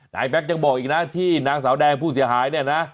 แก๊กยังบอกอีกนะที่นางสาวแดงผู้เสียหายเนี่ยนะ